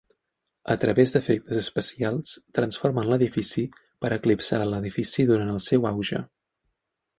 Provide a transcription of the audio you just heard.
A través d'efectes especials, transformen l'edifici per eclipsar l'edifici durant el seu auge.